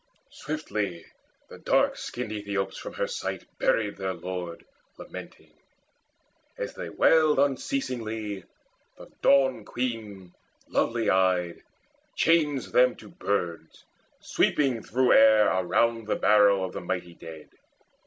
Swiftly the dark skinned Aethiops from her sight Buried their lord lamenting. As they wailed Unceasingly, the Dawn queen lovely eyed Changed them to birds sweeping through air around The barrow of the mighty dead.